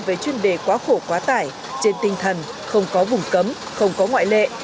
về chuyên đề quá khổ quá tải trên tinh thần không có vùng cấm không có ngoại lệ